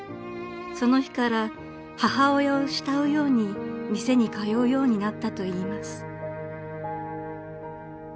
［その日から母親を慕うように店に通うようになったと言います］